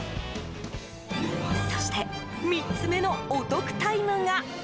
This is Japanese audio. そして３つ目のお得タイムが。